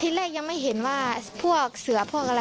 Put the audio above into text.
แรกยังไม่เห็นว่าพวกเสือพวกอะไร